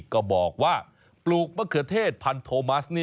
ก็บอกว่าปลูกมะเขือเทศพันโทมัส